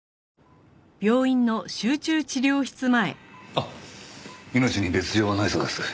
あっ命に別条はないそうです。